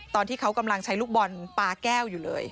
ตอนที่เขากำลังใช้ลูกบอลปลาแก้วอยู่เลย